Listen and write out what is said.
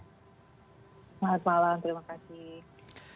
selamat malam terima kasih